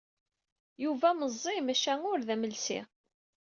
Yuba meẓẓi, maca ur d amelsi.